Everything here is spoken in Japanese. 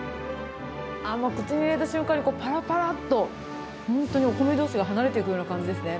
もう口に入れた瞬間に、こうぱらぱらっと、本当にお米どうしが離れていく感じですね。